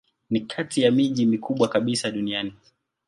Ni kati ya miji mikubwa kabisa duniani.